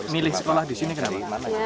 milih sekolah di sini kenapa